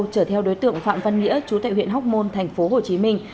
chở theo đối tượng phạm văn nghĩa chú tại huyện hóc môn thành phố hồ chí minh